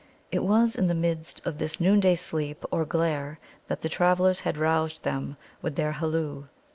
It was in the midst of this noonday sleep or glare that the travellers had roused them with their halloo.